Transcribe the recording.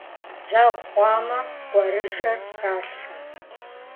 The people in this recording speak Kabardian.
Зэгъ хъуамэ, кӏуэрыжэр халъхьэ.